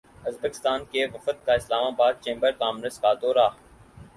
Uzbekistan کے وفد کا اسلام باد چیمبر کامرس کا دورہ